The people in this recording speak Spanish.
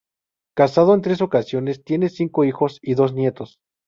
Casado en tres ocasiones, tiene cinco hijos y dos nietos.